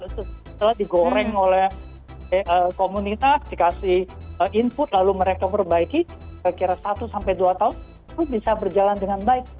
setelah digoreng oleh komunitas dikasih input lalu mereka perbaiki kira kira satu sampai dua tahun itu bisa berjalan dengan baik